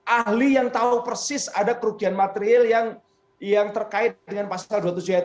ahli yang tahu persis ada kerugian material yang terkait dengan pasal dua puluh tujuh